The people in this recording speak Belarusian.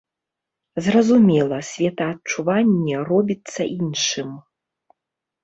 Зразумела, светаадчуванне робіцца іншым.